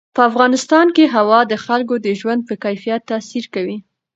په افغانستان کې هوا د خلکو د ژوند په کیفیت تاثیر کوي.